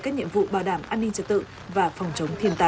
các nhiệm vụ bảo đảm an ninh trật tự và phòng chống thiên tai